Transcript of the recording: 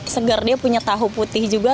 segar dia punya tahu putih juga